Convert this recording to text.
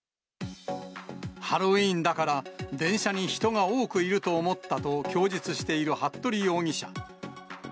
ハロウィーンだから、電車に人が多くいると思ったと供述している服部容疑者。